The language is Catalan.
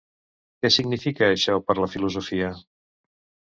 Què significa això per la filosofia?